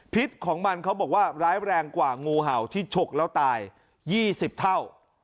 ของมันเขาบอกว่าร้ายแรงกว่างูเห่าที่ฉกแล้วตาย๒๐เท่า